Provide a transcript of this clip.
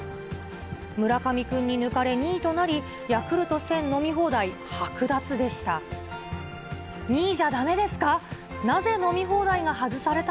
村上君に抜かれ２位となり、ヤクルト１０００飲み放題はく奪でした。